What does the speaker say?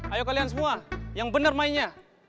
ayo kalian semua yang benar mainnya